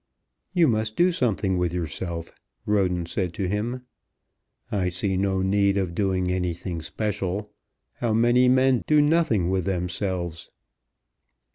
"You must do something with yourself," Roden said to him. "I see no need of doing anything special. How many men do nothing with themselves!"